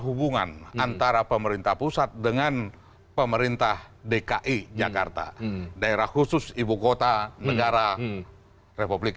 hubungan antara pemerintah pusat dengan pemerintah dki jakarta daerah khusus ibu kota negara republik